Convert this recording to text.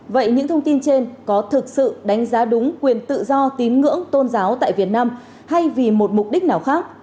vậy những thông tin trên có thực sự đánh giá đúng quyền tự do tín ngưỡng tôn giáo tại việt nam hay vì một mục đích nào khác